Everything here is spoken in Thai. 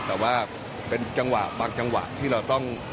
แต่ว่าเป็นจังหวะบางจังหวะที่เราต้อง